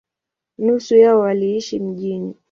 Nusu yao waliishi mjini.